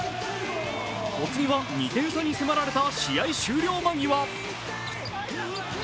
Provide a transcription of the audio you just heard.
お次は２点差に迫られた試合終了間際。